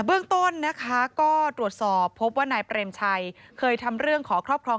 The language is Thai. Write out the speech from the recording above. เบื้องต้นนะคะก็ตรวจสอบพบว่านายเปรมชัยเคยทำเรื่องขอครอบครอง